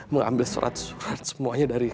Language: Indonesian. mengambil surat suatu yang dia inginkan